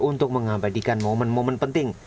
untuk mengabadikan momen momen penting